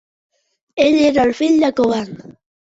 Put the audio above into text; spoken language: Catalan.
Ell era el fill de Coban.